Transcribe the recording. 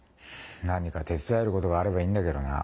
何か手伝えることがあればいいんだけどな。